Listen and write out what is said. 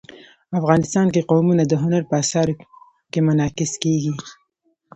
افغانستان کې قومونه د هنر په اثار کې منعکس کېږي.